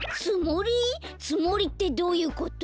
つもりってどういうこと？